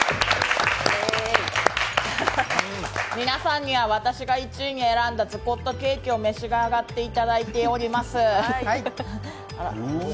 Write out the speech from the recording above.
皆さんには私が１位に選んだズコットケーキを召し上がっていただいております。